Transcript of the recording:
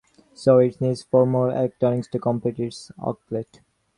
So, it needs four more electrons to complete its octet.